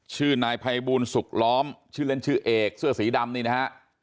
ชื่อนายภัยบูลสุขล้อมชื่อเล่นชื่อเอกเสื้อสีดำนี่นะฮะ